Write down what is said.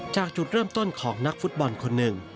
จากจุดเริ่มต้นของนักฟุตบอลคนหนึ่ง